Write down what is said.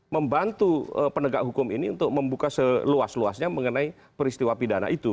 membantu penegak hukum ini untuk membuka seluas luasnya mengenai peristiwa pidana itu